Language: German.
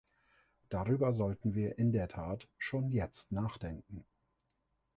Darüber sollten wir in der Tat schon jetzt nachdenken.